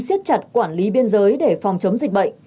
siết chặt quản lý biên giới để phòng chống dịch bệnh